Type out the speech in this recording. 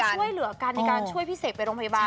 ช่วยเหลือกันในการช่วยพี่เสกไปโรงพยาบาล